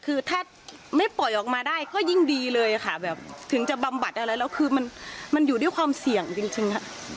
คือถ้าไม่ปล่อยออกมาได้ก็ยิ่งดีเลยค่ะแบบถึงจะบำบัดอะไรแล้วคือมันอยู่ด้วยความเสี่ยงจริง